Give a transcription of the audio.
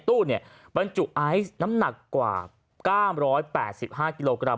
ตู้เนี้ยบรรจุไอซ์น้ำหนักกว่าก้ามร้อยแปดสิบห้ากิโลกรัม